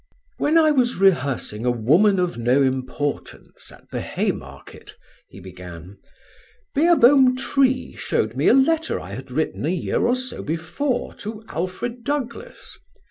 "When I was rehearsing 'A Woman of No Importance' at the Haymarket," he began, "Beerbohm Tree showed me a letter I had written a year or so before to Alfred Douglas.